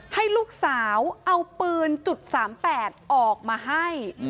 ให้ลูกสาวเอาปืน๓๘ออกมาให้